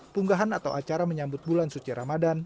punggahan atau acara menyambut bulan suci ramadan